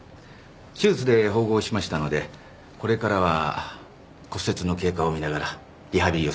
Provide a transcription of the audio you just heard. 手術で縫合しましたのでこれからは骨折の経過を見ながらリハビリを進めていきましょう。